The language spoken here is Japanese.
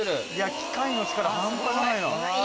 機械の力半端ない。